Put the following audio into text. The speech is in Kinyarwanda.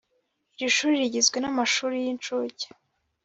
Iri shuri rigizwe n’amashuri y’inshuke